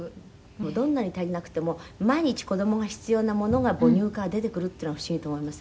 「どんなに足りなくても毎日子供が必要なものが母乳から出てくるっていうのが不思議と思いません？」